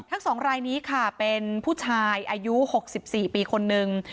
ทั้ง๒รายนี้ค่ะเป็นผู้ชายอายุ๖๔ปีคนนึง